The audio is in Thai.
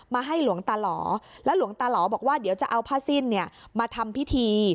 ให้หลวงตาหล่อแล้วหลวงตาหล่อบอกว่าเดี๋ยวจะเอาผ้าสิ้นมาทำพิธี